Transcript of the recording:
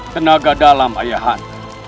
tenaga dalam ayahan